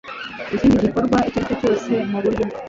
ikindi gikorwa icyo aricyo cyose mu buryo